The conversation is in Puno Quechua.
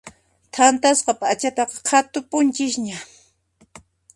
Thantasqa p'achataqa qhatupunchisña.